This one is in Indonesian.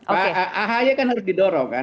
pak ahy kan harus didorong kan